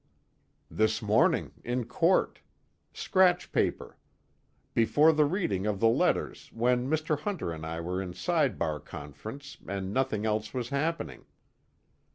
"This morning, in court. Scratch paper. Before the reading of the letters, when Mr. Hunter and I were in side bar conference and nothing else was happening."